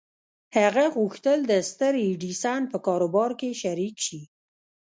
هغه غوښتل د ستر ايډېسن په کاروبار کې شريک شي.